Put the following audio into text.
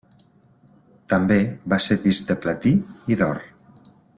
També va ser disc de platí i d'or.